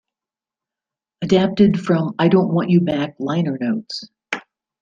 Adapted from the "I Don't Want You Back" liner notes.